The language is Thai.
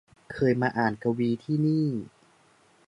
เคยมาอ่านกวีที่นี่